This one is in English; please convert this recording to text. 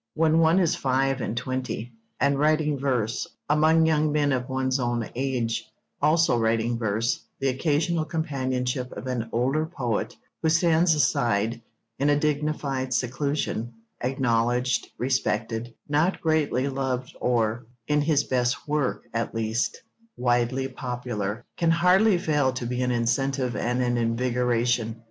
When one is five and twenty, and writing verse, among young men of one's own age, also writing verse, the occasional companionship of an older poet, who stands aside, in a dignified seclusion, acknowledged, respected, not greatly loved or, in his best work at least, widely popular, can hardly fail to be an incentive and an invigoration.